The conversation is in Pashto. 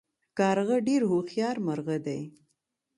کارغه ډیر هوښیار مرغه دی